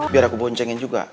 biar aku boncengin juga